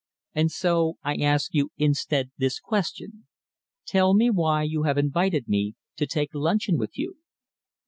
And so, I ask you instead this question. Tell me why you have invited me to take luncheon with you."